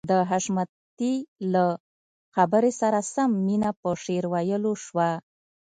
د حشمتي له خبرې سره سم مينه په شعر ويلو شوه.